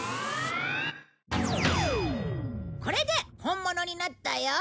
これで本物になったよ。